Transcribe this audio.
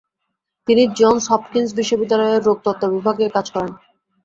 তিনি Johns Hopkins বিশ্ববিদ্যালয় এর রোগতত্ত্ব বিভাগে কাজ করেন।